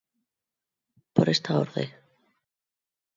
Por esta orde.